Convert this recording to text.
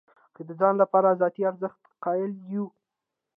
که د ځان لپاره ذاتي ارزښت قایل یو.